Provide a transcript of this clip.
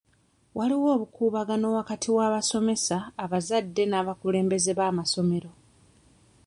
Waliwo obukuubagano wakati w'abasomesa, abazadde n'abakulembeze b'amasomero.